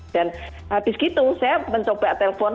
dan habis itu saya mencoba telepon